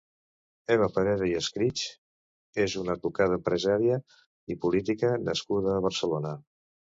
Eva Parera i Escrichs és una advocada, empresària i política nascuda a Barcelona.